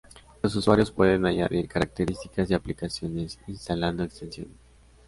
Los usuarios pueden añadir características y aplicaciones instalando extensiones.